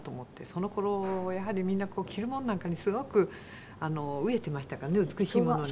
その頃やはりみんなこう着るものなんかにすごく飢えてましたからね美しいものに。